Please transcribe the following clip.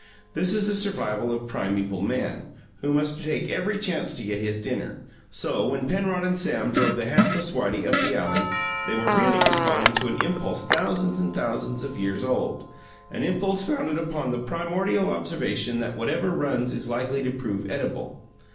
This is a survival of primeval man, who must take every chance to get his dinner. So, when Penrod and Sam drove the hapless Whitey up the alley, they were really responding to an impulse thousands and thousands of years old an impulse founded upon the primordial observation that whatever runs is likely to prove edible.